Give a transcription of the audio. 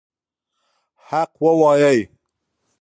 حق ووایئ.